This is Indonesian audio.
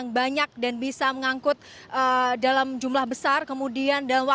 silahkan mila dengan informasinya